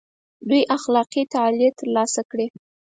دوی اخلاقي تعالي تر لاسه کړي.